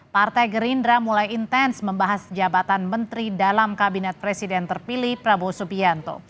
partai gerindra mulai intens membahas jabatan menteri dalam kabinet presiden terpilih prabowo subianto